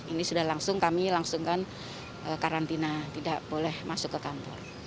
ini sudah langsung kami langsungkan karantina tidak boleh masuk ke kantor